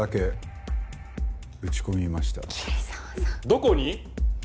どこに？